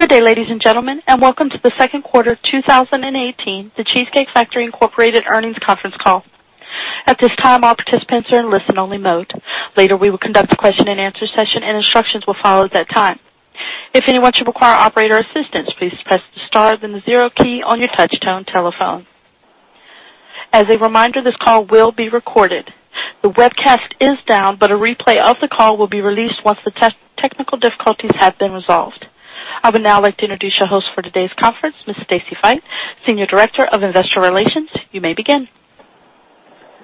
Good day, ladies and gentlemen, and welcome to the second quarter 2018, The Cheesecake Factory Incorporated earnings conference call. At this time, all participants are in listen-only mode. Later, we will conduct a question and answer session, and instructions will follow at that time. If anyone should require operator assistance, please press the star then the zero key on your touch-tone telephone. As a reminder, this call will be recorded. The webcast is down, but a replay of the call will be released once the technical difficulties have been resolved. I would now like to introduce your host for today's conference, Ms. Stacy Feit, Senior Director of Investor Relations. You may begin.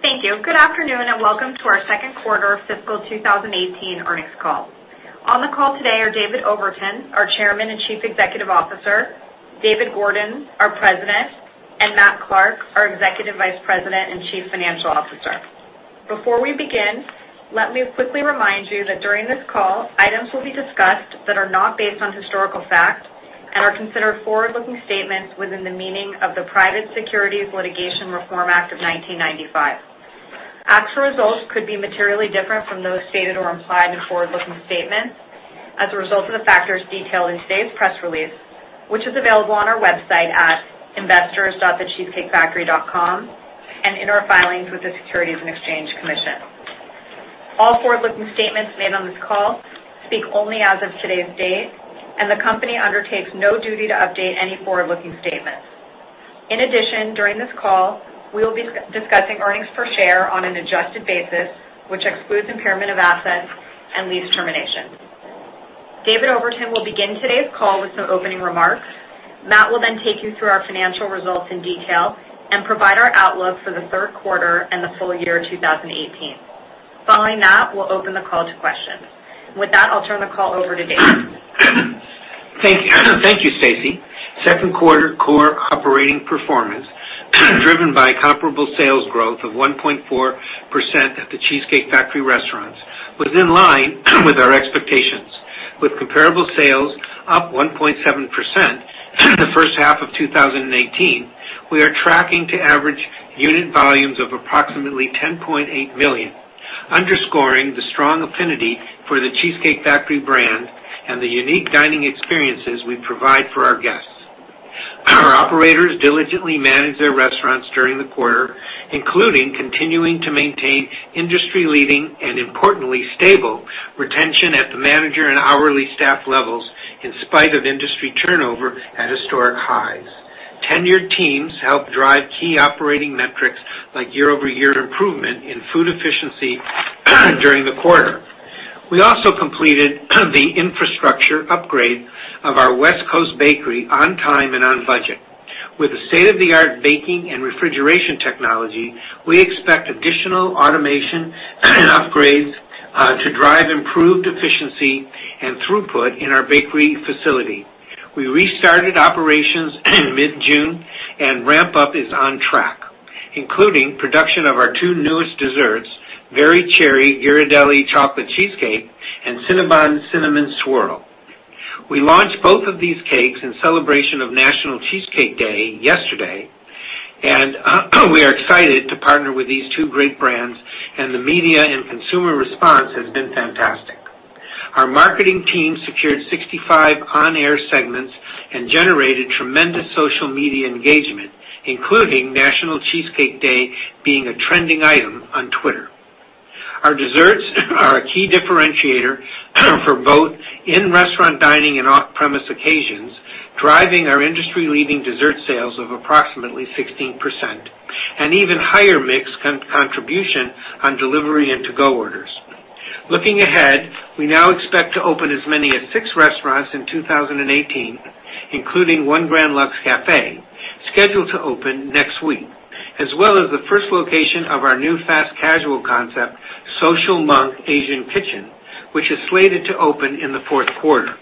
Thank you. Good afternoon, and welcome to our second quarter fiscal 2018 earnings call. On the call today are David Overton, our Chairman and Chief Executive Officer, David Gordon, our President, and Matt Clark, our Executive Vice President and Chief Financial Officer. Before we begin, let me quickly remind you that during this call, items will be discussed that are not based on historical fact and are considered forward-looking statements within the meaning of the Private Securities Litigation Reform Act of 1995. Actual results could be materially different from those stated or implied in forward-looking statements as a result of the factors detailed in today's press release, which is available on our website at investors.thecheesecakefactory.com, and in our filings with the Securities and Exchange Commission. All forward-looking statements made on this call speak only as of today's date. The company undertakes no duty to update any forward-looking statements. In addition, during this call, we will be discussing earnings per share on an adjusted basis, which excludes impairment of assets and lease termination. David Overton will begin today's call with some opening remarks. Matt will then take you through our financial results in detail and provide our outlook for the third quarter and the full year 2018. Following that, we'll open the call to questions. With that, I'll turn the call over to David. Thank you, Stacy. Second quarter core operating performance, driven by comparable sales growth of 1.4% at The Cheesecake Factory restaurants, was in line with our expectations. With comparable sales up 1.7% in the first half of 2018, we are tracking to average unit volumes of approximately $10.8 million, underscoring the strong affinity for The Cheesecake Factory brand and the unique dining experiences we provide for our guests. Our operators diligently manage their restaurants during the quarter, including continuing to maintain industry-leading and importantly, stable retention at the manager and hourly staff levels in spite of industry turnover at historic highs. Tenured teams help drive key operating metrics like year-over-year improvement in food efficiency during the quarter. We also completed the infrastructure upgrade of our West Coast bakery on time and on budget. With state-of-the-art baking and refrigeration technology, we expect additional automation and upgrades to drive improved efficiency and throughput in our bakery facility. We restarted operations mid-June and ramp-up is on track, including production of our two newest desserts, Very Cherry Ghirardelli Chocolate Cheesecake and Cinnabon Cinnamon Swirl. We launched both of these cakes in celebration of National Cheesecake Day yesterday, and we are excited to partner with these two great brands and the media and consumer response has been fantastic. Our marketing team secured 65 on-air segments and generated tremendous social media engagement, including National Cheesecake Day being a trending item on Twitter. Our desserts are a key differentiator for both in-restaurant dining and off-premise occasions, driving our industry-leading dessert sales of approximately 16% and even higher mix contribution on delivery and to-go orders. Looking ahead, we now expect to open as many as six restaurants in 2018, including one Grand Lux Cafe, scheduled to open next week, as well as the first location of our new fast casual concept, Social Monk Asian Kitchen, which is slated to open in the fourth quarter.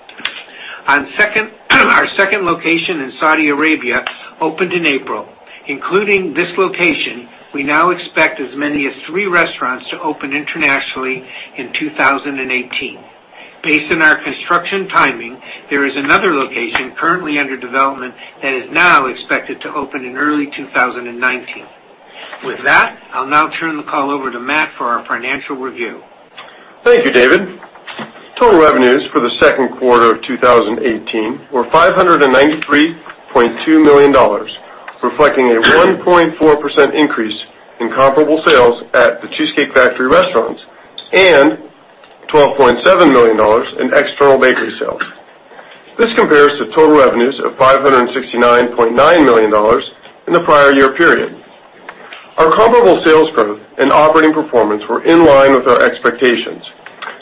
Our second location in Saudi Arabia opened in April. Including this location, we now expect as many as three restaurants to open internationally in 2018. Based on our construction timing, there is another location currently under development that is now expected to open in early 2019. With that, I'll now turn the call over to Matt for our financial review. Thank you, David. Total revenues for the second quarter of 2018 were $593.2 million, reflecting a 1.4% increase in comparable sales at The Cheesecake Factory restaurants and $12.7 million in external bakery sales. This compares to total revenues of $569.9 million in the prior year period. Our comparable sales growth and operating performance were in line with our expectations.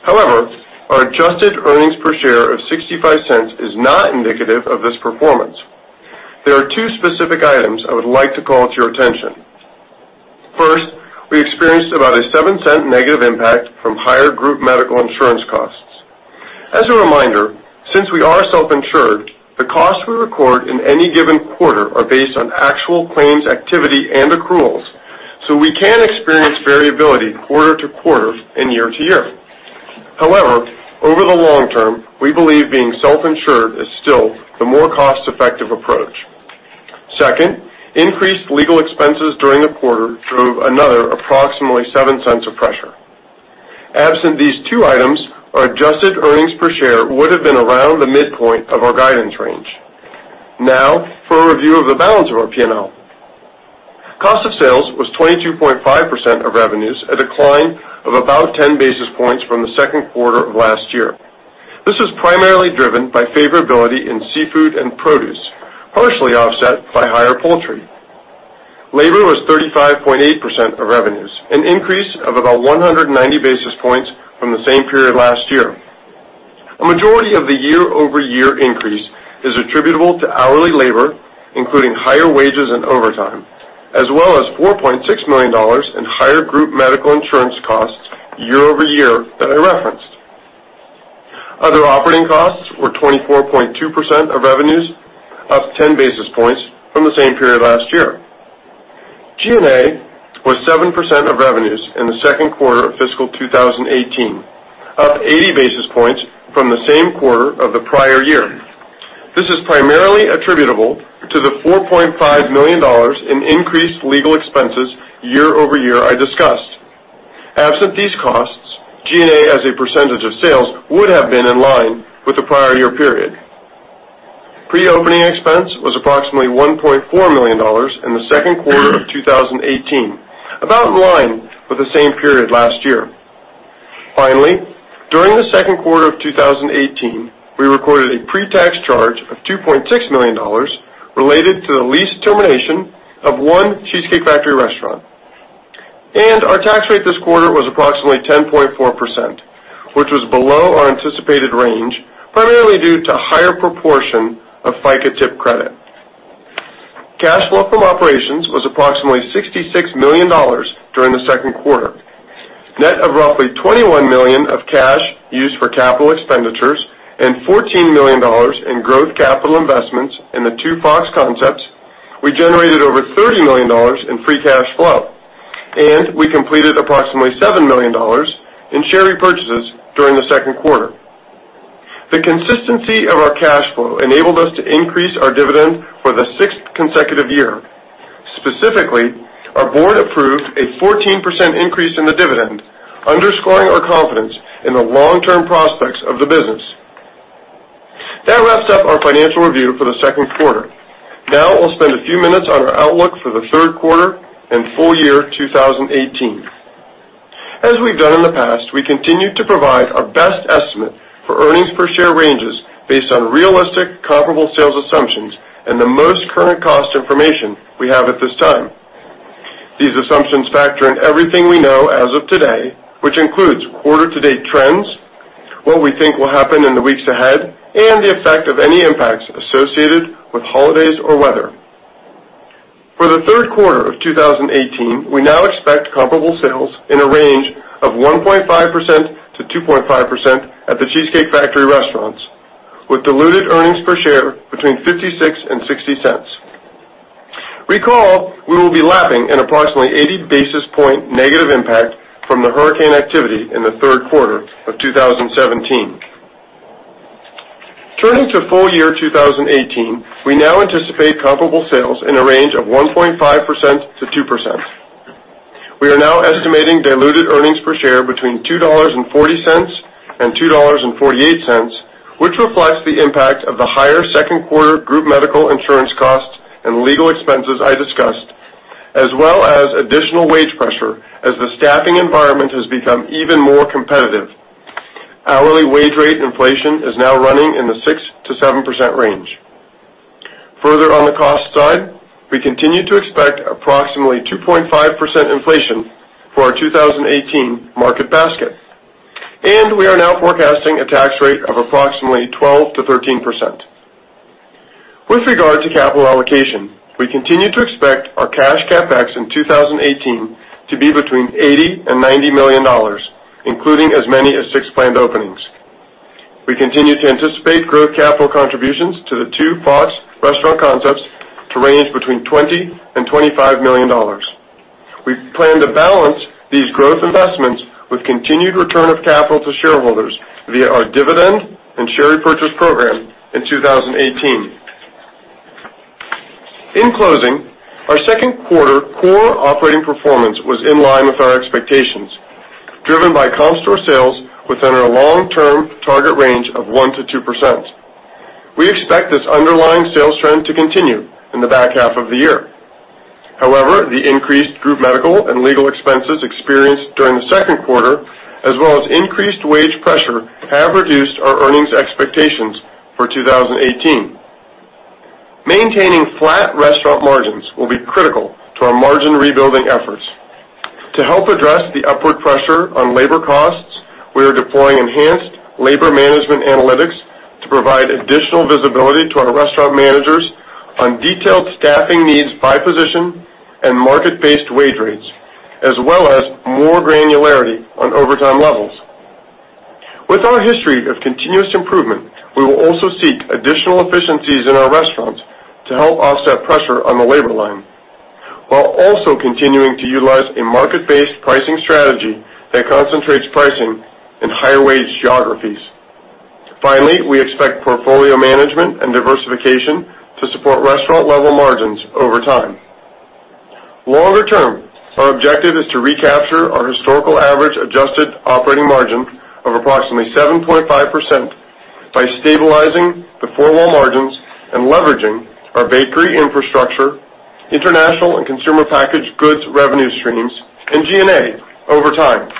However, our adjusted earnings per share of $0.65 is not indicative of this performance. There are two specific items I would like to call to your attention. First, we experienced about a $0.07 negative impact from higher group medical insurance costs. As a reminder, since we are self-insured, the costs we record in any given quarter are based on actual claims activity and accruals, so we can experience variability quarter-to-quarter and year-to-year. However, over the long term, we believe being self-insured is still the more cost-effective approach. Second, increased legal expenses during the quarter drove another approximately $0.07 of pressure. Absent these two items, our adjusted earnings per share would have been around the midpoint of our guidance range. Now for a review of the balance of our P&L. Cost of sales was 22.5% of revenues, a decline of about 10 basis points from the second quarter of last year. This was primarily driven by favorability in seafood and produce, partially offset by higher poultry. Labor was 35.8% of revenues, an increase of about 190 basis points from the same period last year. A majority of the year-over-year increase is attributable to hourly labor, including higher wages and overtime, as well as $4.6 million in higher group medical insurance costs year-over-year that I referenced. Other operating costs were 24.2% of revenues, up 10 basis points from the same period last year. G&A was 7% of revenues in the second quarter of fiscal 2018, up 80 basis points from the same quarter of the prior year. This is primarily attributable to the $4.5 million in increased legal expenses year-over-year I discussed. Absent these costs, G&A as a percentage of sales would have been in line with the prior year period. Pre-opening expense was approximately $1.4 million in the second quarter of 2018, about in line with the same period last year. Finally, during the second quarter of 2018, we recorded a pre-tax charge of $2.6 million related to the lease termination of one The Cheesecake Factory restaurant. Our tax rate this quarter was approximately 10.4%, which was below our anticipated range, primarily due to higher proportion of FICA tip credit. Cash flow from operations was approximately $66 million during the second quarter, net of roughly $21 million of cash used for capital expenditures and $14 million in growth capital investments in the two Fox Restaurant Concepts, we generated over $30 million in free cash flow. We completed approximately $7 million in share repurchases during the second quarter. The consistency of our cash flow enabled us to increase our dividend for the sixth consecutive year. Specifically, our board approved a 14% increase in the dividend, underscoring our confidence in the long-term prospects of the business. That wraps up our financial review for the second quarter. Now we'll spend a few minutes on our outlook for the third quarter and full year 2018. As we've done in the past, we continue to provide our best estimate for earnings per share ranges based on realistic comparable sales assumptions and the most current cost information we have at this time. These assumptions factor in everything we know as of today, which includes quarter to date trends, what we think will happen in the weeks ahead, and the effect of any impacts associated with holidays or weather. For the third quarter of 2018, we now expect comparable sales in a range of 1.5%-2.5% at The Cheesecake Factory restaurants, with diluted earnings per share between $0.56 and $0.60. Recall, we will be lapping an approximately 80 basis point negative impact from the hurricane activity in the third quarter of 2017. Turning to full year 2018, we now anticipate comparable sales in a range of 1.5%-2%. We are now estimating diluted earnings per share between $2.40 and $2.48, which reflects the impact of the higher second quarter group medical insurance costs and legal expenses I discussed, as well as additional wage pressure as the staffing environment has become even more competitive. Hourly wage rate inflation is now running in the 6%-7% range. Further on the cost side, we continue to expect approximately 2.5% inflation for our 2018 market basket. We are now forecasting a tax rate of approximately 12%-13%. With regard to capital allocation, we continue to expect our cash CapEx in 2018 to be between $80 million and $90 million, including as many as six planned openings. We continue to anticipate growth capital contributions to the two Fox Restaurant Concepts to range between $20 million and $25 million. We plan to balance these growth investments with continued return of capital to shareholders via our dividend and share repurchase program in 2018. In closing, our second quarter core operating performance was in line with our expectations, driven by comp store sales within our long-term target range of 1%-2%. We expect this underlying sales trend to continue in the back half of the year. However, the increased group medical and legal expenses experienced during the second quarter, as well as increased wage pressure, have reduced our earnings expectations for 2018. Maintaining flat restaurant margins will be critical to our margin rebuilding efforts. To help address the upward pressure on labor costs, we are deploying enhanced labor management analytics to provide additional visibility to our restaurant managers on detailed staffing needs by position and market-based wage rates, as well as more granularity on overtime levels. With our history of continuous improvement, we will also seek additional efficiencies in our restaurants to help offset pressure on the labor line, while also continuing to utilize a market-based pricing strategy that concentrates pricing in higher wage geographies. Finally, we expect portfolio management and diversification to support restaurant level margins over time. Longer term, our objective is to recapture our historical average adjusted operating margin of approximately 7.5% by stabilizing the four-wall margins and leveraging our bakery infrastructure, international and consumer packaged goods revenue streams, and G&A over time.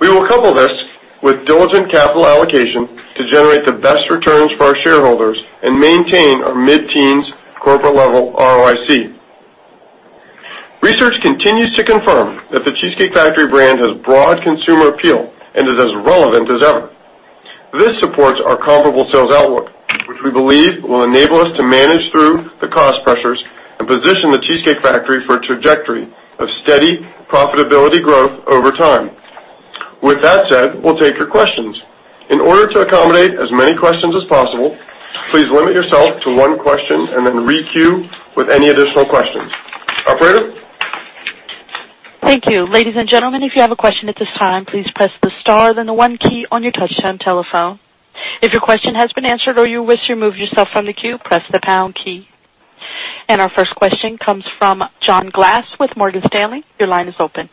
We will couple this with diligent capital allocation to generate the best returns for our shareholders and maintain our mid-teens corporate level ROIC. Research continues to confirm that The Cheesecake Factory brand has broad consumer appeal and is as relevant as ever. This supports our comparable sales outlook, which we believe will enable us to manage through the cost pressures and position The Cheesecake Factory for a trajectory of steady profitability growth over time. With that said, we'll take your questions. In order to accommodate as many questions as possible, please limit yourself to one question and then re-queue with any additional questions. Operator? Thank you. Ladies and gentlemen, if you have a question at this time, please press the star, then the one key on your touchtone telephone. If your question has been answered or you wish to remove yourself from the queue, press the pound key. Our first question comes from John Glass with Morgan Stanley. Your line is open.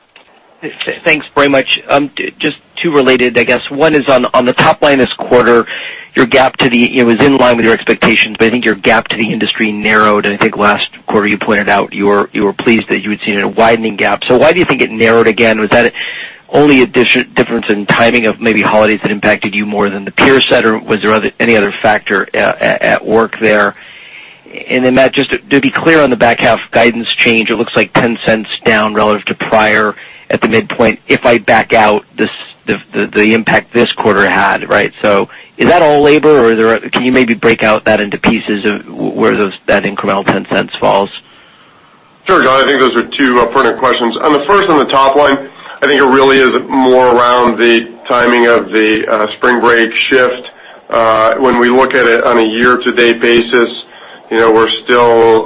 Thanks very much. Just two related, I guess. One is on the top line this quarter, it was in line with your expectations, but I think your gap to the industry narrowed, and I think last quarter, you pointed out you were pleased that you had seen a widening gap. Why do you think it narrowed again? Was that only a difference in timing of maybe holidays that impacted you more than the peer set, or was there any other factor at work there? Matt, just to be clear on the back half guidance change, it looks like $0.10 down relative to prior at the midpoint if I back out the impact this quarter had, right? Is that all labor, or can you maybe break out that into pieces of where that incremental $0.10 falls? Sure, John. I think those are two pertinent questions. On the first, on the top line, I think it really is more around the timing of the spring break shift. When we look at it on a year-to-date basis, we're still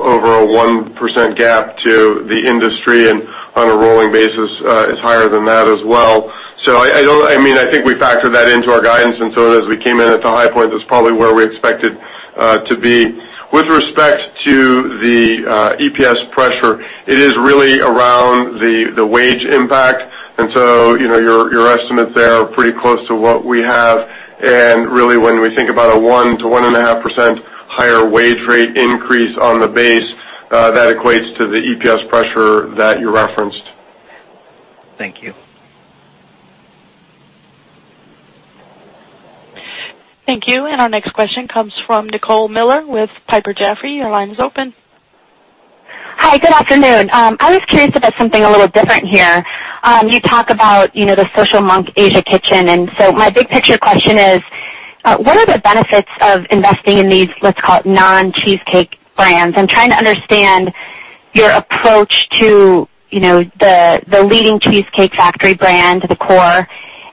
over a 1% gap to the industry, and on a rolling basis, it's higher than that as well. I think we factored that into our guidance, and so as we came in at the high point, that's probably where we expected to be. With respect to the EPS pressure, it is really around the wage impact, and so your estimate there are pretty close to what we have. Really, when we think about a 1%-1.5% higher wage rate increase on the base, that equates to the EPS pressure that you referenced. Thank you. Thank you. Our next question comes from Nicole Miller with Piper Jaffray. Your line is open. Hi, good afternoon. I was curious about something a little different here. You talk about the Social Monk Asian Kitchen, so my big picture question is, what are the benefits of investing in these, let's call it, non-Cheesecake brands? I'm trying to understand your approach to the leading Cheesecake Factory brand, the core,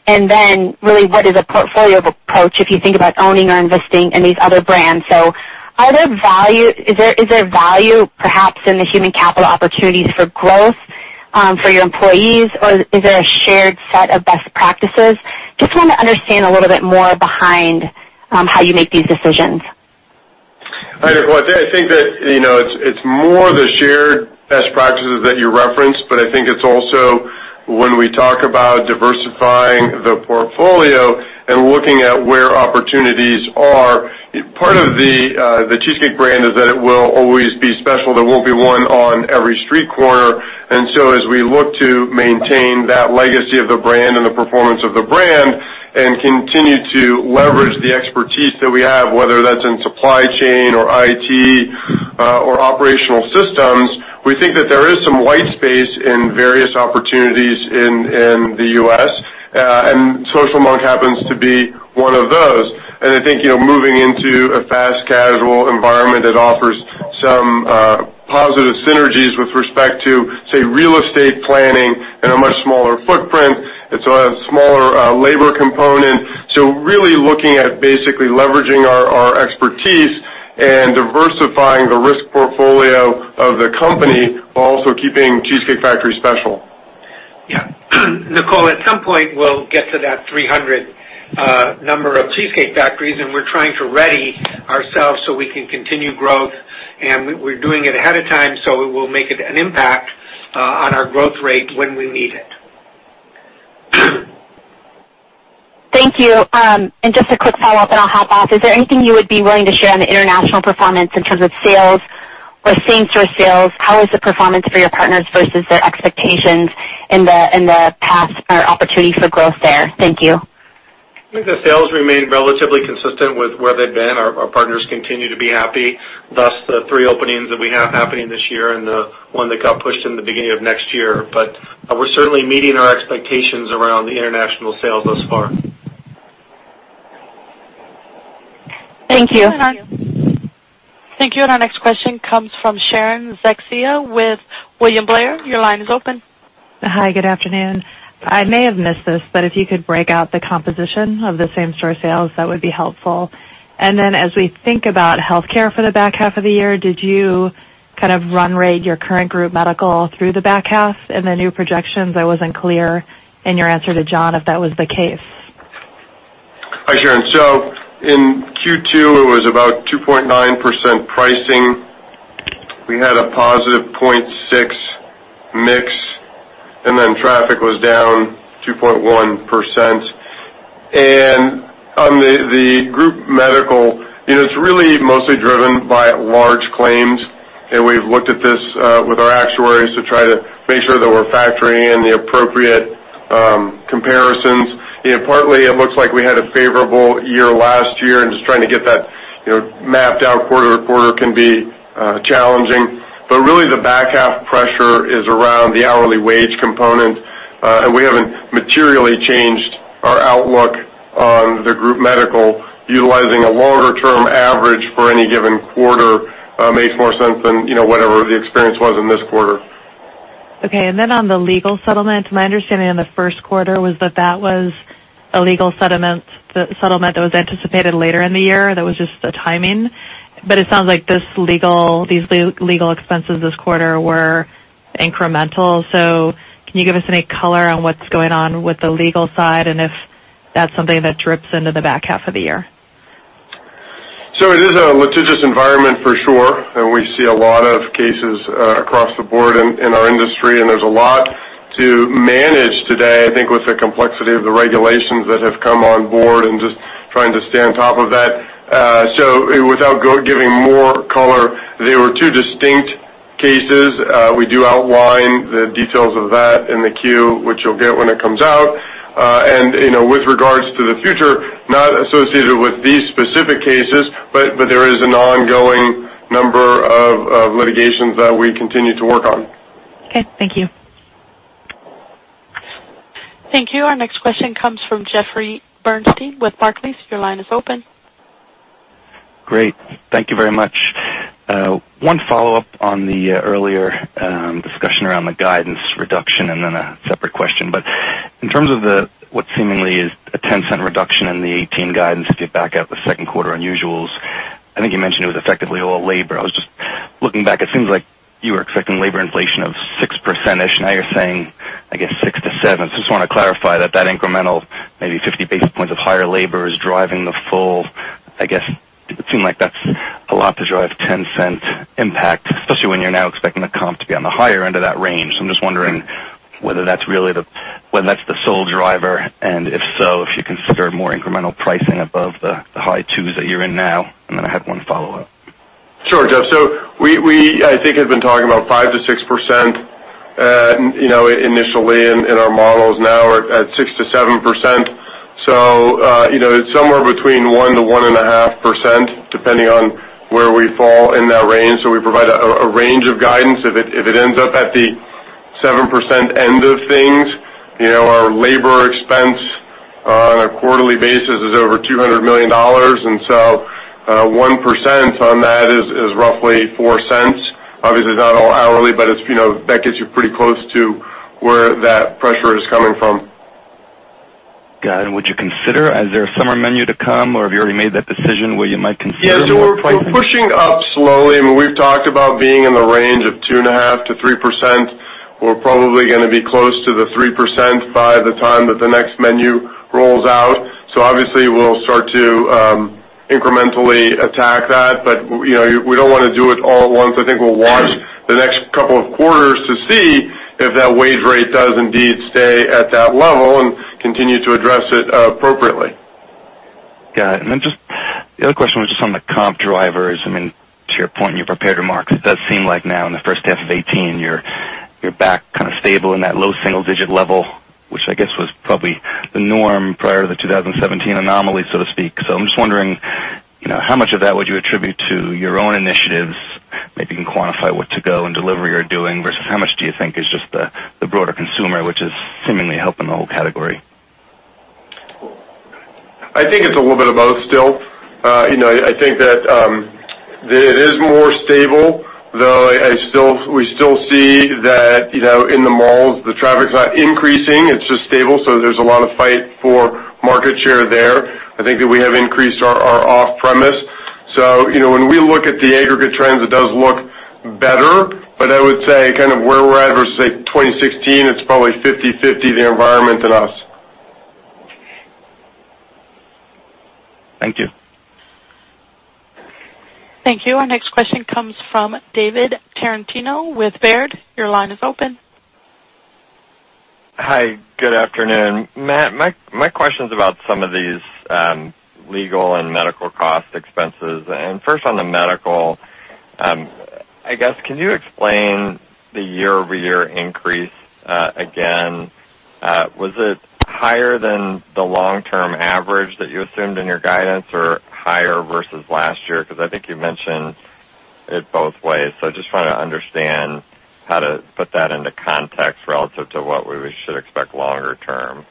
and then really what is a portfolio approach if you think about owning or investing in these other brands. Is there value perhaps in the human capital opportunities for growth for your employees, or is there a shared set of best practices? Just want to understand a little bit more behind how you make these decisions. Hi, Nicole. I think that it's more the shared best practices that you referenced, but I think it's also when we talk about diversifying the portfolio and looking at where opportunities are. Part of The Cheesecake brand is that it will always be special. There won't be one on every street corner. As we look to maintain that legacy of the brand and the performance of the brand and continue to leverage the expertise that we have, whether that's in supply chain or IT or operational systems, we think that there is some white space in various opportunities in the U.S., and Social Monk happens to be one of those. I think, moving into a fast casual environment, it offers some positive synergies with respect to, say, real estate planning and a much smaller footprint. It's a smaller labor component. Really looking at basically leveraging our expertise and diversifying the risk portfolio of the company, while also keeping Cheesecake Factory special. Yeah. Nicole, at some point, we'll get to that 300 number of Cheesecake Factories, and we're trying to ready ourselves so we can continue growth. We're doing it ahead of time, so it will make an impact on our growth rate when we need it. Thank you. Just a quick follow-up and I'll hop off. Is there anything you would be willing to share on the international performance in terms of sales or same-store sales? How is the performance for your partners versus their expectations in the past or opportunity for growth there? Thank you. I think the sales remain relatively consistent with where they've been. Our partners continue to be happy, thus the three openings that we have happening this year and the one that got pushed in the beginning of next year. We're certainly meeting our expectations around the international sales thus far. Thank you. Thank you. Our next question comes from Sharon Zackfia with William Blair. Your line is open. Hi, good afternoon. I may have missed this, but if you could break out the composition of the same-store sales, that would be helpful. As we think about healthcare for the back half of the year, did you kind of run rate your current group medical through the back half in the new projections? I was unclear in your answer to John if that was the case. Hi, Sharon. In Q2, it was about 2.9% pricing. We had a +0.6% mix, and then traffic was down 2.1%. On the group medical, it's really mostly driven by large claims, and we've looked at this with our actuaries to try to make sure that we're factoring in the appropriate comparisons. Partly, it looks like we had a favorable year last year, and just trying to get that mapped out quarter-to-quarter can be challenging. Really, the back half pressure is around the hourly wage component. We haven't materially changed our outlook on the group medical. Utilizing a longer-term average for any given quarter makes more sense than whatever the experience was in this quarter. Okay. On the legal settlement, my understanding in the first quarter was that that was a legal settlement that was anticipated later in the year, that was just the timing. It sounds like these legal expenses this quarter were incremental. Can you give us any color on what's going on with the legal side, and if that's something that drips into the back half of the year? It is a litigious environment for sure. We see a lot of cases across the board in our industry, and there's a lot to manage today, I think, with the complexity of the regulations that have come on board and just trying to stay on top of that. Without giving more color, they were two distinct cases. We do outline the details of that in the Q, which you'll get when it comes out. With regards to the future, not associated with these specific cases, but there is an ongoing number of litigations that we continue to work on. Okay. Thank you. Thank you. Our next question comes from Jeffrey Bernstein with Barclays. Your line is open. Great. Thank you very much. One follow-up on the earlier discussion around the guidance reduction, and then a separate question. In terms of what seemingly is a $0.10 reduction in the 2018 guidance, if you back out the second quarter unusuals, I think you mentioned it was effectively all labor. I was just looking back. It seems like you were expecting labor inflation of 6%-ish. Now you're saying, I guess, 6%-7%. I just want to clarify that that incremental maybe 50 basis points of higher labor is driving the full, I guess, it would seem like that's a lot to drive $0.10 impact, especially when you're now expecting the comp to be on the higher end of that range. I'm just wondering whether that's the sole driver, and if so, if you consider more incremental pricing above the high twos that you're in now. I had one follow-up. Sure, Jeff. We, I think, have been talking about 5%-6% initially in our models. Now we are at 6%-7%. It is somewhere between 1%-1.5% depending on where we fall in that range. We provide a range of guidance. If it ends up at the 7% end of things, our labor expense on a quarterly basis is over $200 million. 1% on that is roughly $0.04. Obviously, it is not all hourly, but that gets you pretty close to where that pressure is coming from. Got it. Would you consider, is there a summer menu to come, or have you already made that decision, where you might consider more pricing? Yeah. We are pushing up slowly. We have talked about being in the range of 2.5%-3%. We are probably going to be close to the 3% by the time that the next menu rolls out. Obviously, we will start to incrementally attack that. We do not want to do it all at once. I think we will watch the next couple of quarters to see if that wage rate does indeed stay at that level and continue to address it appropriately. Got it. The other question was just on the comp drivers. To your point in your prepared remarks, it does seem like now in the first half of 2018, you are back kind of stable in that low single-digit level, which I guess was probably the norm prior to the 2017 anomaly, so to speak. I am just wondering how much of that would you attribute to your own initiatives? Maybe you can quantify what to-go and delivery are doing, versus how much do you think is just the broader consumer, which is seemingly helping the whole category? I think it's a little bit of both still. I think that it is more stable, though we still see that in the malls, the traffic's not increasing, it's just stable, so there's a lot of fight for market share there. I think that we have increased our off-premise. When we look at the aggregate trends, it does look better. I would say kind of where we're at versus, say, 2016, it's probably 50/50 the environment and us. Thank you. Thank you. Our next question comes from David Tarantino with Baird. Your line is open. Hi. Good afternoon. Matt, my question's about some of these legal and medical cost expenses. First on the medical, I guess, can you explain the year-over-year increase again? Was it higher than the long-term average that you assumed in your guidance, or higher versus last year? I think you mentioned it both ways. I just want to understand how to put that into context relative to what we should expect longer term.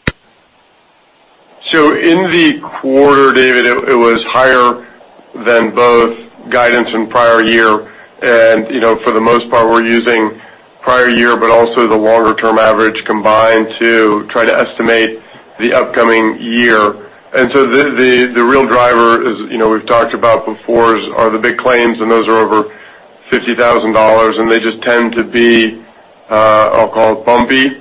In the quarter, David, it was higher than both guidance and prior year. For the most part, we're using prior year, but also the longer-term average combined to try to estimate the upcoming year. The real driver is, we've talked about before, are the big claims, and those are over $50,000, and they just tend to be, I'll call it bumpy.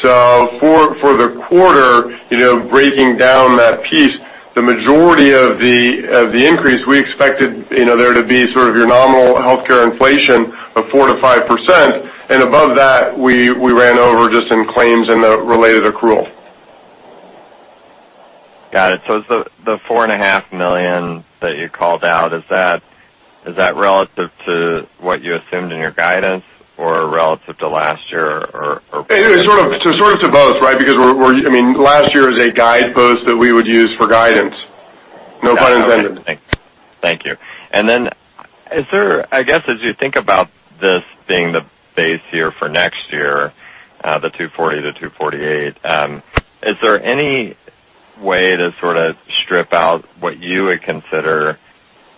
For the quarter, breaking down that piece, the majority of the increase, we expected there to be sort of your nominal healthcare inflation of 4%-5%. Above that, we ran over just in claims and the related accrual. Got it. The $4.5 million that you called out, is that relative to what you assumed in your guidance or relative to last year? Sort of to both, right? Because last year is a guidepost that we would use for guidance, no pun intended. Thank you. I guess, as you think about this being the base year for next year, the $2.40-$2.48, is there any way to sort of strip out what you would consider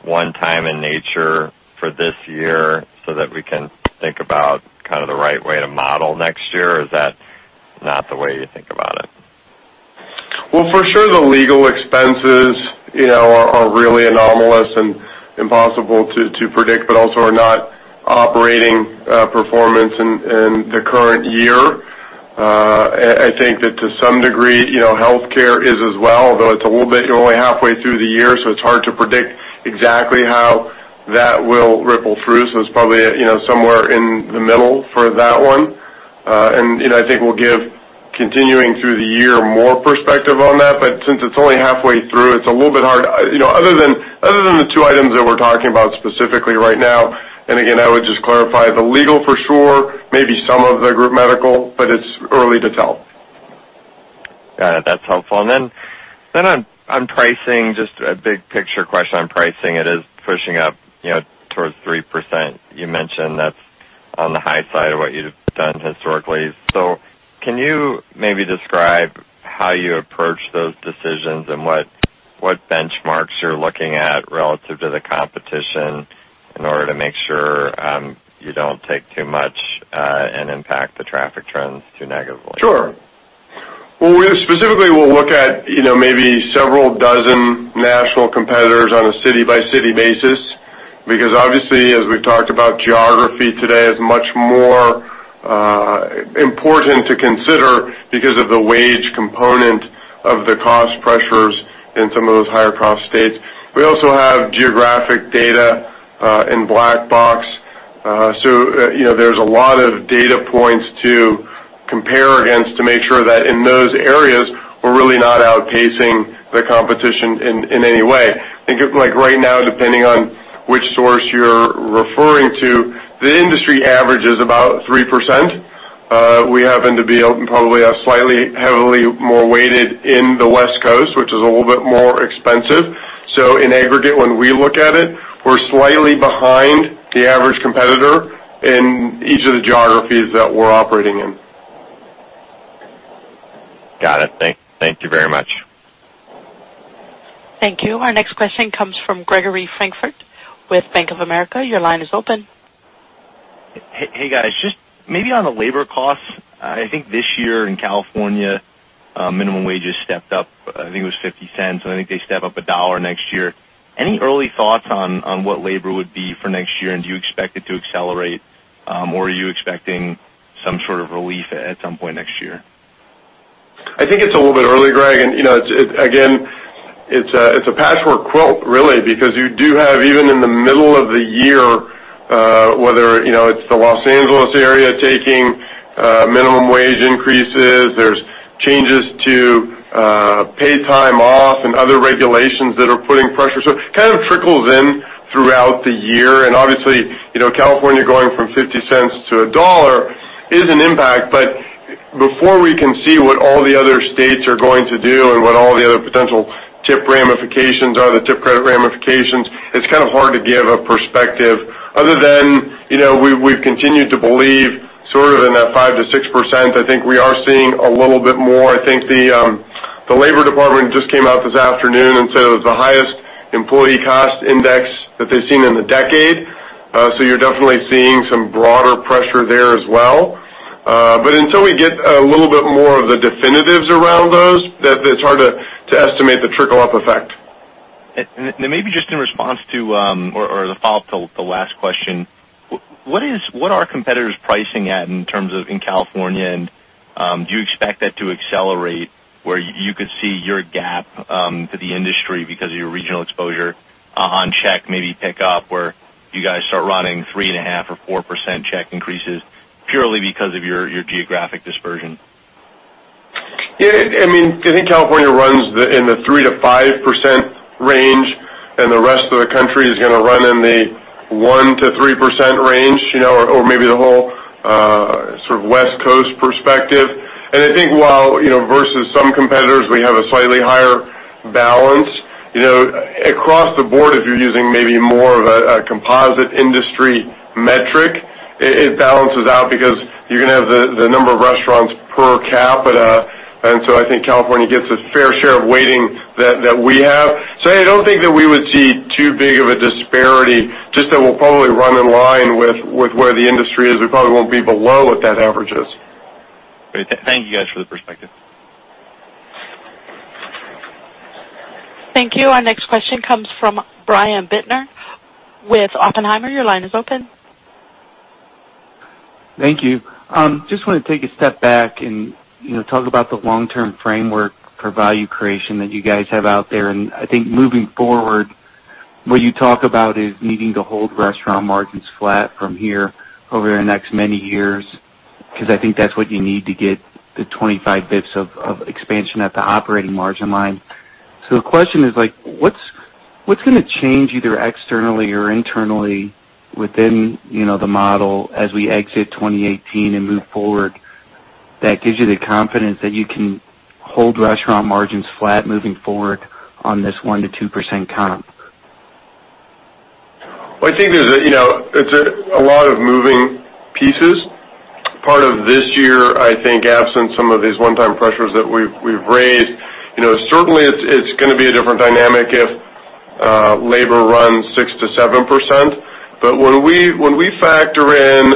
one-time in nature for this year so that we can think about kind of the right way to model next year, or is that not the way you think about it? For sure, the legal expenses are really anomalous and impossible to predict, but also are not operating performance in the current year. I think that to some degree, healthcare is as well, though you're only halfway through the year, so it's hard to predict exactly how that will ripple through. It's probably somewhere in the middle for that one. I think we'll give continuing through the year more perspective on that. Since it's only halfway through, it's a little bit hard. Other than the two items that we're talking about specifically right now, and again, I would just clarify the legal for sure, maybe some of the group medical, but it's early to tell. Got it. That's helpful. On pricing, just a big picture question on pricing. It is pushing up towards 3%. You mentioned that's on the high side of what you've done historically. Can you maybe describe how you approach those decisions and what benchmarks you're looking at relative to the competition in order to make sure you don't take too much and impact the traffic trends too negatively? Sure. Specifically, we'll look at maybe several dozen national competitors on a city-by-city basis, because obviously, as we've talked about, geography today is much more important to consider because of the wage component of the cost pressures in some of those higher cost states. We also have geographic data in Black Box. There's a lot of data points to compare against to make sure that in those areas, we're really not outpacing the competition in any way. I think right now, depending on which source you're referring to, the industry average is about 3%. We happen to be probably slightly heavily more weighted in the West Coast, which is a little bit more expensive. In aggregate, when we look at it, we're slightly behind the average competitor in each of the geographies that we're operating in. Got it. Thank you very much. Thank you. Our next question comes from Gregory Francfort with Bank of America. Your line is open. Hey, guys. Just maybe on the labor cost, I think this year in California, minimum wage has stepped up, I think it was $0.50, and I think they step up $1.00 next year. Any early thoughts on what labor would be for next year, and do you expect it to accelerate, or are you expecting some sort of relief at some point next year? I think it's a little bit early, Greg. Again, it's a patchwork quilt really because you do have, even in the middle of the year, whether it's the Los Angeles area taking minimum wage increases, there's changes to paid time off and other regulations that are putting pressure. Kind of trickles in throughout the year. Obviously, California going from $0.50 to $1.00 is an impact. Before we can see what all the other states are going to do and what all the other potential tip credit ramifications are, it's kind of hard to give a perspective other than we've continued to believe sort of in that 5%-6%. I think we are seeing a little bit more. I think the labor department just came out this afternoon and said it was the highest employee cost index that they've seen in a decade. You're definitely seeing some broader pressure there as well. Until we get a little bit more of the definitives around those, it's hard to estimate the trickle-up effect. Maybe just in response to, or the follow-up to the last question, what are competitors pricing at in terms of in California, and do you expect that to accelerate where you could see your gap to the industry because of your regional exposure on check maybe pick up where you guys start running 3.5% or 4% check increases purely because of your geographic dispersion? Yeah. I think California runs in the 3%-5% range, and the rest of the country is going to run in the 1%-3% range, or maybe the whole sort of West Coast perspective. I think while versus some competitors, we have a slightly higher balance. Across the board, if you're using maybe more of a composite industry metric, it balances out because you're going to have the number of restaurants per capita, and so I think California gets a fair share of weighting that we have. I don't think that we would see too big of a disparity, just that we'll probably run in line with where the industry is. We probably won't be below what that average is. Great. Thank you guys for the perspective. Thank you. Our next question comes from Brian Bittner with Oppenheimer. Your line is open. Thank you. Just want to take a step back and talk about the long-term framework for value creation that you guys have out there. I think moving forward, what you talk about is needing to hold restaurant margins flat from here over the next many years, because I think that's what you need to get the 25 basis points of expansion at the operating margin line. The question is, what's going to change, either externally or internally within the model as we exit 2018 and move forward, that gives you the confidence that you can hold restaurant margins flat moving forward on this 1%-2% comp? I think there's a lot of moving pieces. Part of this year, I think absent some of these one-time pressures that we've raised, certainly it's going to be a different dynamic if labor runs 6%-7%. When we factor in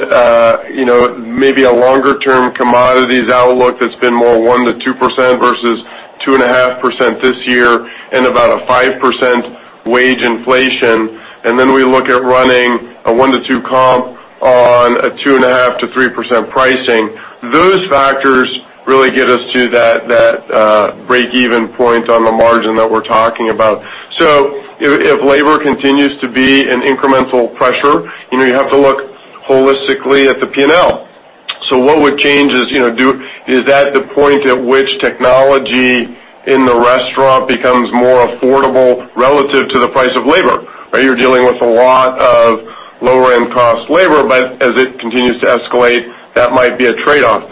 maybe a longer-term commodities outlook that's been more 1%-2% versus 2.5% this year and about a 5% wage inflation, then we look at running a 1%-2% comp on a 2.5%-3% pricing, those factors really get us to that break-even point on the margin that we're talking about. If labor continues to be an incremental pressure, you have to look holistically at the P&L. What would change is that the point at which technology in the restaurant becomes more affordable relative to the price of labor. You're dealing with a lot of lower-end cost labor, but as it continues to escalate, that might be a trade-off.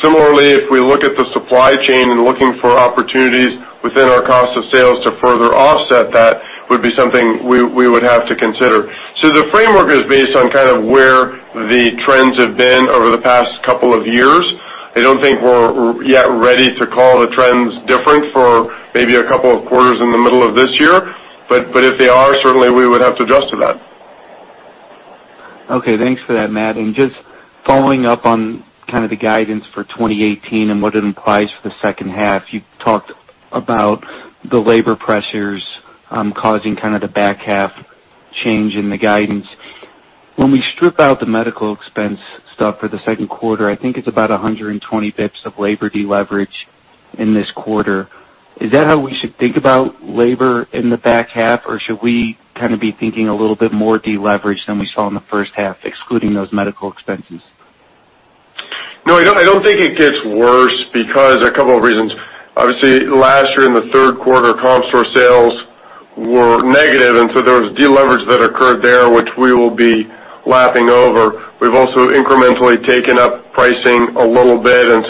Similarly, if we look at the supply chain and looking for opportunities within our cost of sales to further offset that, would be something we would have to consider. The framework is based on where the trends have been over the past couple of years. I don't think we're yet ready to call the trends different for maybe a couple of quarters in the middle of this year. If they are, certainly we would have to adjust to that. Okay. Thanks for that, Matt. Just following up on the guidance for 2018 and what it implies for the second half, you talked about the labor pressures causing the back half change in the guidance. When we strip out the medical expense stuff for the second quarter, I think it's about 120 basis points of labor deleverage in this quarter. Is that how we should think about labor in the back half, or should we be thinking a little bit more deleverage than we saw in the first half, excluding those medical expenses? No, I don't think it gets worse because a couple of reasons. Obviously, last year in the third quarter, comp store sales were negative, and so there was deleverage that occurred there, which we will be lapping over. We've also incrementally taken up pricing a little bit, and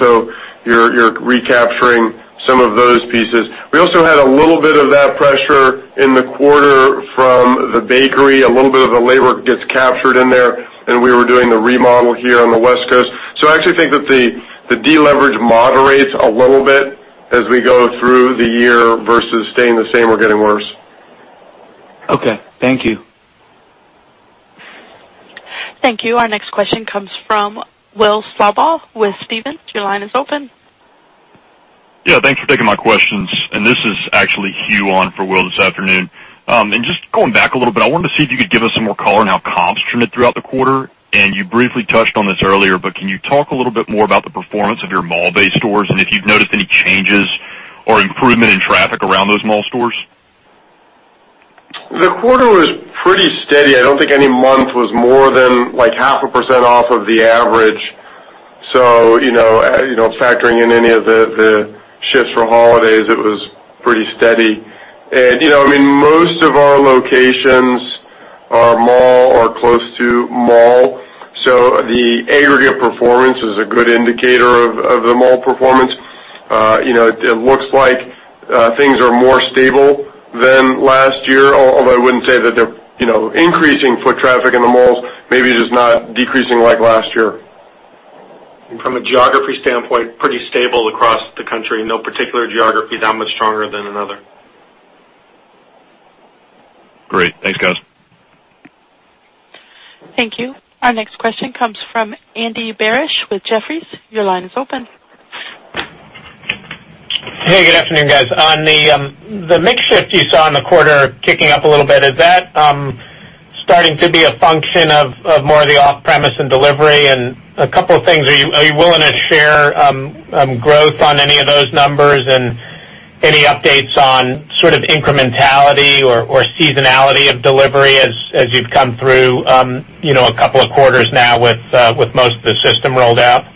you're recapturing some of those pieces. We also had a little bit of that pressure in the quarter from the bakery. A little bit of the labor gets captured in there, and we were doing the remodel here on the West Coast. I actually think that the deleverage moderates a little bit as we go through the year versus staying the same or getting worse. Okay. Thank you. Thank you. Our next question comes from Will Slabaugh with Stephens. Your line is open. Yeah, thanks for taking my questions. This is actually Hugh on for Will this afternoon. Just going back a little bit, I wanted to see if you could give us some more color on how comps trended throughout the quarter. You briefly touched on this earlier, but can you talk a little bit more about the performance of your mall-based stores and if you've noticed any changes or improvement in traffic around those mall stores? The quarter was pretty steady. I don't think any month was more than 0.5% off of the average. Factoring in any of the shifts for holidays, it was pretty steady. Most of our locations are mall or close to mall. The aggregate performance is a good indicator of the mall performance. It looks like things are more stable than last year, although I wouldn't say that they're increasing foot traffic in the malls, maybe just not decreasing like last year. From a geography standpoint, pretty stable across the country. No particular geography that much stronger than another. Great. Thanks, guys. Thank you. Our next question comes from Andy Barish with Jefferies. Your line is open. Hey, good afternoon, guys. On the mix shift you saw in the quarter kicking up a little bit, is that starting to be a function of more of the off-premise and delivery? A couple of things, are you willing to share growth on any of those numbers and any updates on incrementality or seasonality of delivery as you've come through a couple of quarters now with most of the system rolled out?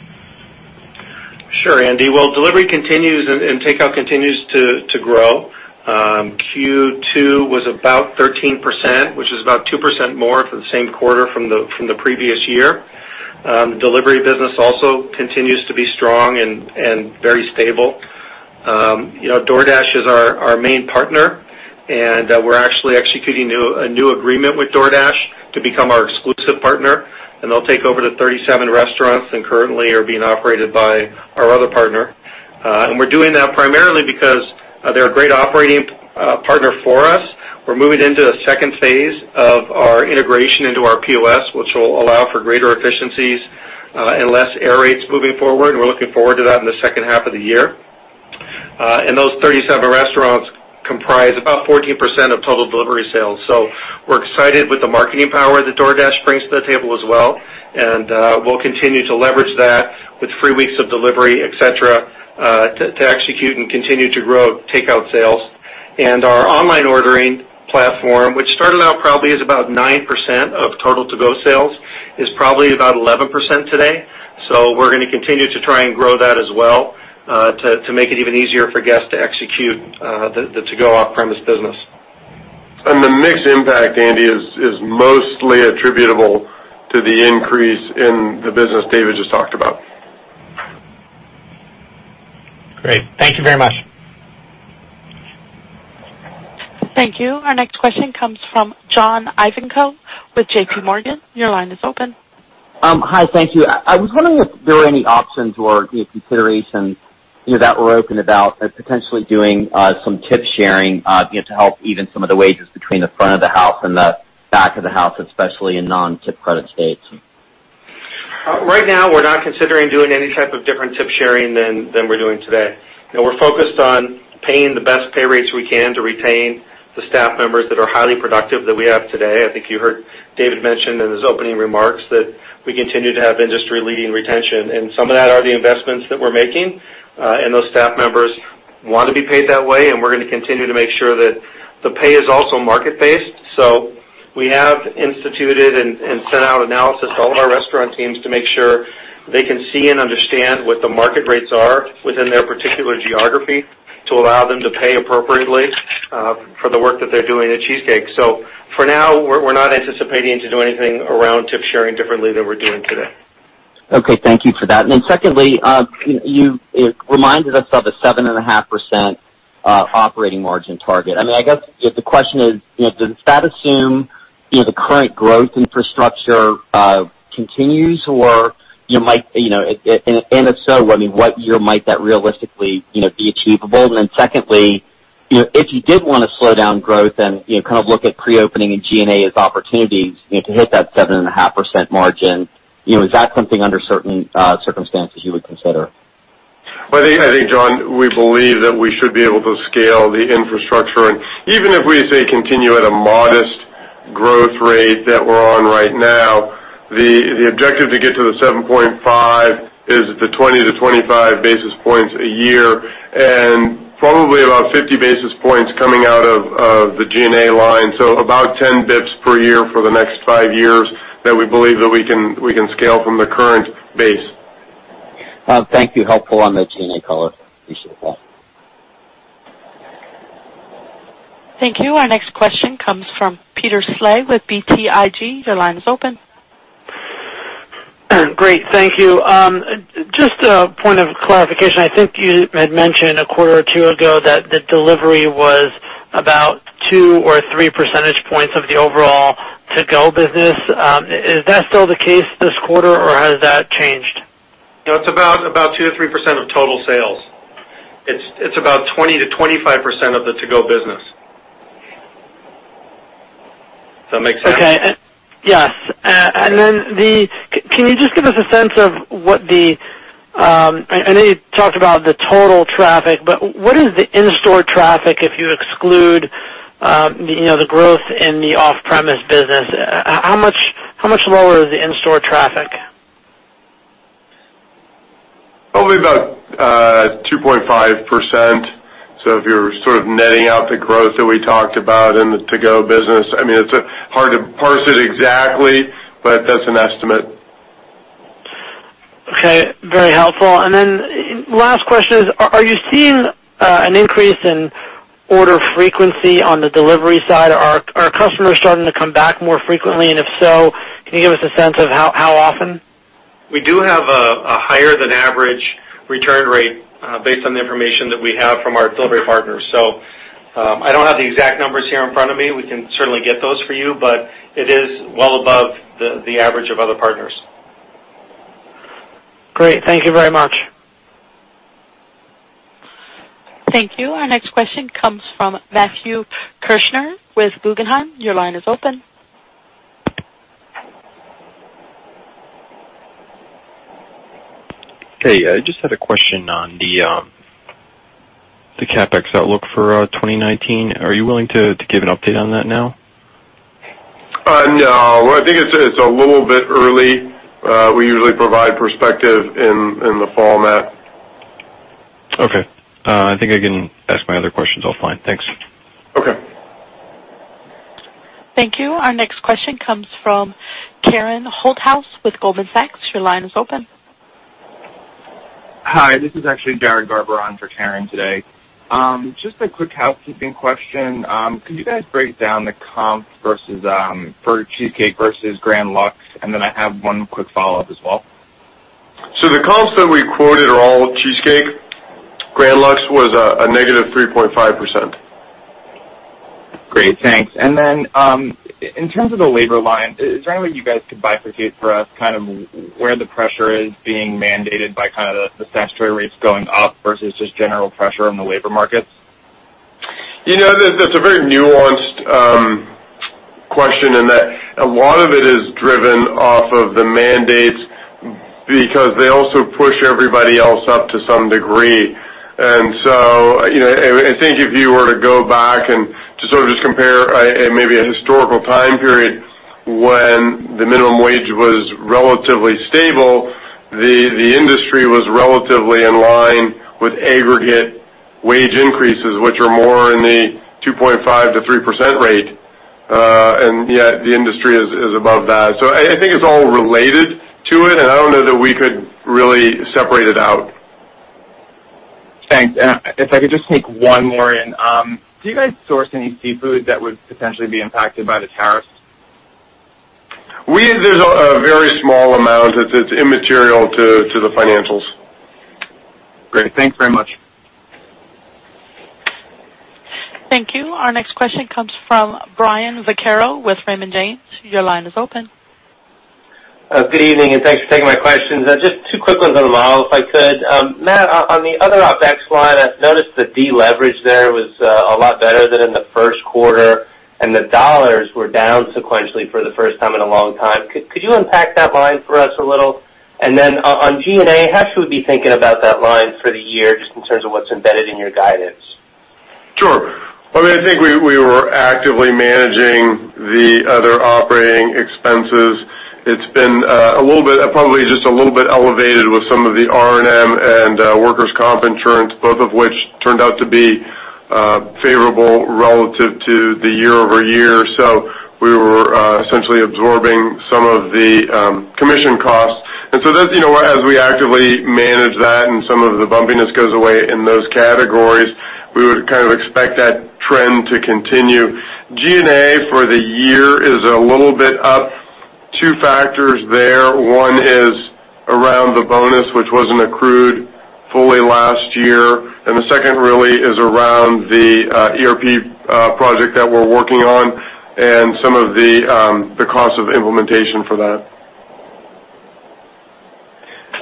Sure, Andy. Delivery continues and takeout continues to grow. Q2 was about 13%, which is about 2% more for the same quarter from the previous year. The delivery business also continues to be strong and very stable. DoorDash is our main partner, and we're actually executing a new agreement with DoorDash to become our exclusive partner, and they'll take over the 37 restaurants that currently are being operated by our other partner. We're doing that primarily because they're a great operating partner for us. We're moving into a second phase of our integration into our POS, which will allow for greater efficiencies and less error rates moving forward. We're looking forward to that in the second half of the year. Those 37 restaurants comprise about 14% of total delivery sales. We're excited with the marketing power that DoorDash brings to the table as well, and we'll continue to leverage that with free weeks of delivery, et cetera, to execute and continue to grow takeout sales. Our online ordering platform, which started out probably as about 9% of total to-go sales, is probably about 11% today. We're going to continue to try and grow that as well to make it even easier for guests to execute the to-go off-premise business. The mix impact, Andy, is mostly attributable to the increase in the business David just talked about. Great. Thank you very much. Thank you. Our next question comes from John Ivankoe with JPMorgan. Your line is open. Hi, thank you. I was wondering if there were any options or considerations that were open about potentially doing some tip sharing to help even some of the wages between the front of the house and the back of the house, especially in non-tip credit states. Right now, we're not considering doing any type of different tip sharing than we're doing today. We're focused on paying the best pay rates we can to retain the staff members that are highly productive that we have today. I think you heard David mention in his opening remarks that we continue to have industry-leading retention, and some of that are the investments that we're making, and those staff members want to be paid that way, and we're going to continue to make sure that the pay is also market-based. We have instituted and sent out analysis to all of our restaurant teams to make sure they can see and understand what the market rates are within their particular geography to allow them to pay appropriately for the work that they're doing at Cheesecake. For now, we're not anticipating to do anything around tip sharing differently than we're doing today. Okay. Thank you for that. Secondly, you reminded us of a 7.5% operating margin target. I guess the question is, does that assume the current growth infrastructure continues? If so, what year might that realistically be achievable? Secondly, if you did want to slow down growth and look at pre-opening and G&A as opportunities to hit that 7.5% margin, is that something under certain circumstances you would consider? I think, John, we believe that we should be able to scale the infrastructure. Even if we, say, continue at a modest growth rate that we're on right now, the objective to get to the 7.5% is the 20-25 basis points a year, and probably about 50 basis points coming out of the G&A line. About 10 basis points per year for the next five years that we believe that we can scale from the current base. Thank you. Helpful on the G&A color. Appreciate that. Thank you. Our next question comes from Peter Saleh with BTIG. Your line is open. Great. Thank you. Just a point of clarification. I think you had mentioned a quarter or two ago that the delivery was about 2 percentage points or 3 percentage points of the overall to-go business. Is that still the case this quarter, or has that changed? It's about 2%-3% of total sales. It's about 20%-25% of the to-go business. Does that make sense? Okay. Yes. Can you just give us a sense of, I know you talked about the total traffic, but what is the in-store traffic if you exclude the growth in the off-premise business? How much lower is the in-store traffic? Probably about 2.5%. If you're sort of netting out the growth that we talked about in the to-go business, it's hard to parse it exactly, but that's an estimate. Okay. Very helpful. Last question is, are you seeing an increase in order frequency on the delivery side? Are customers starting to come back more frequently? If so, can you give us a sense of how often? We do have a higher than average return rate based on the information that we have from our delivery partners. I don't have the exact numbers here in front of me. We can certainly get those for you, but it is well above the average of other partners. Great. Thank you very much. Thank you. Our next question comes from Matthew Kirschner with Guggenheim. Your line is open. Hey. I just had a question on the CapEx outlook for 2019. Are you willing to give an update on that now? No. I think it's a little bit early. We usually provide perspective in the fall, Matt. Okay. I think I can ask my other questions offline. Thanks. Okay. Thank you. Our next question comes from Karen Holthouse with Goldman Sachs. Your line is open. Hi. This is actually Jared Garber on for Karen today. Just a quick housekeeping question. Could you guys break down the comp for Cheesecake versus Grand Lux? I have one quick follow-up as well. The comps that we quoted are all Cheesecake. Grand Lux was a -3.5%. Great. Thanks. In terms of the labor line, is there any way you guys could bifurcate for us where the pressure is being mandated by the statutory rates going up versus just general pressure in the labor markets? That's a very nuanced question in that a lot of it is driven off of the mandates because they also push everybody else up to some degree. I think if you were to go back and just sort of compare maybe a historical time period when the minimum wage was relatively stable, the industry was relatively in line with aggregate wage increases, which are more in the 2.5%-3% rate. The industry is above that. I think it's all related to it, and I don't know that we could really separate it out. Thanks. If I could just sneak one more in. Do you guys source any seafood that would potentially be impacted by the tariffs? There's a very small amount that's immaterial to the financials. Great. Thanks very much. Thank you. Our next question comes from Brian Vaccaro with Raymond James. Your line is open. Good evening. Thanks for taking my questions. Just two quick ones on the model, if I could. Matt, on the other OpEx line, I noticed the deleverage there was a lot better than in the first quarter. The dollars were down sequentially for the first time in a long time. Could you unpack that line for us a little? On G&A, how should we be thinking about that line for the year, just in terms of what's embedded in your guidance? Sure. I think we were actively managing the other operating expenses. It's been probably just a little bit elevated with some of the R&M and workers' comp insurance, both of which turned out to be favorable relative to the year-over-year. We were essentially absorbing some of the commission costs. As we actively manage that and some of the bumpiness goes away in those categories, we would kind of expect that trend to continue. G&A for the year is a little bit up. Two factors there. One is around the bonus, which wasn't accrued fully last year. The second really is around the ERP project that we're working on and some of the cost of implementation for that.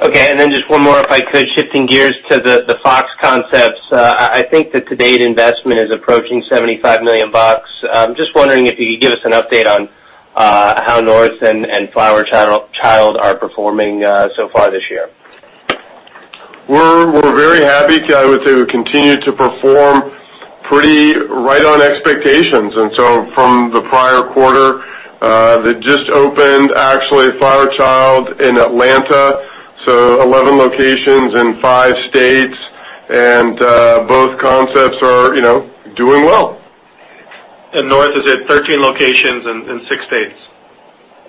Okay. Just one more, if I could. Shifting gears to the Fox Concepts. I think the to-date investment is approaching $75 million. Just wondering if you could give us an update on how North and Flower Child are performing so far this year. We're very happy. I would say we continue to perform pretty right on expectations. From the prior quarter, they just opened, actually, Flower Child in Atlanta, so 11 locations in five states, and both concepts are doing well. North is at 13 locations in six states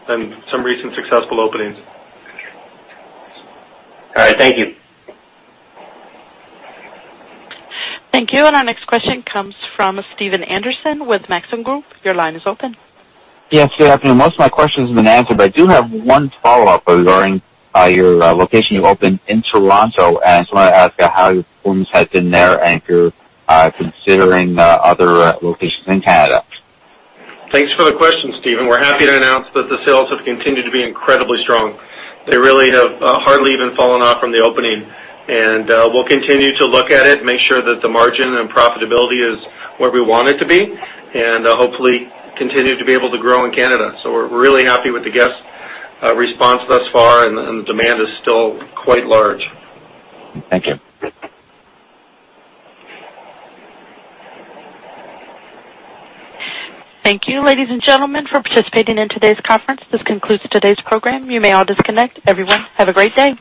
and some recent successful openings. All right. Thank you. Thank you. Our next question comes from Stephen Anderson with Maxim Group. Your line is open. Yes, good afternoon. Most of my questions have been answered, but I do have one follow-up regarding your location you opened in Toronto, and I just wanted to ask how your performance has been there, and if you're considering other locations in Canada. Thanks for the question, Stephen. We're happy to announce that the sales have continued to be incredibly strong. They really have hardly even fallen off from the opening, and we'll continue to look at it, make sure that the margin and profitability is where we want it to be, and hopefully continue to be able to grow in Canada. We're really happy with the guest response thus far, and the demand is still quite large. Thank you. Thank you, ladies and gentlemen, for participating in today's conference. This concludes today's program. You may all disconnect. Everyone, have a great day.